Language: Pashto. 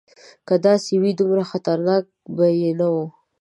که داسې وای دومره خطر به یې نه و.